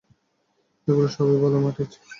এগুলোর সবাই বালু মাটির।